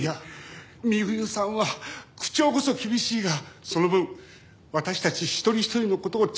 美冬さんは口調こそ厳しいがその分私たち一人一人の事をちゃんと見てくれる。